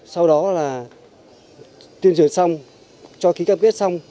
sau đó là tuyên truyền xong cho ký cam kết xong